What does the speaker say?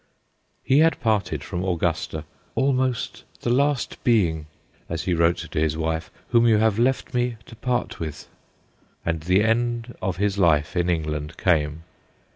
He had parted from Au gusta, ' almost the last being/ as he wrote to his wife, * whom you have left me to part with/ and the end of his life in England came.